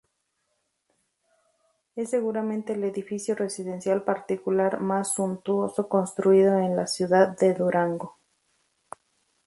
Es seguramente el edificio residencial particular más suntuoso construido en la ciudad de Durango.